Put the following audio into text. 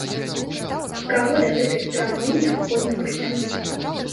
Каго да гэтых перамоў неабходна прыцягнуць?